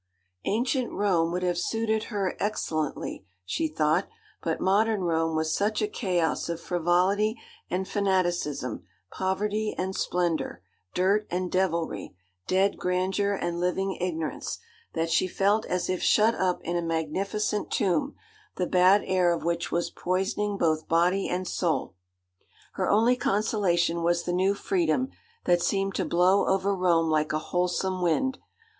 Ancient Rome would have suited her excellently, she thought; but modern Rome was such a chaos of frivolity and fanaticism, poverty and splendour, dirt and devilry, dead grandeur and living ignorance, that she felt as if shut up in a magnificent tomb, the bad air of which was poisoning both body and soul. Her only consolation was the new freedom, that seemed to blow over Rome like a wholesome wind.